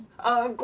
ああ！